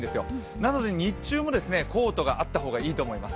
なので日中もコートがあった方がいいと思います。